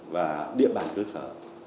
và địa bàn cơ sở